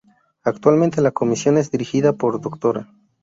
Actualmente la Comisión es dirigida por Dra.